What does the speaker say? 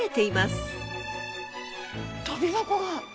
とび箱が！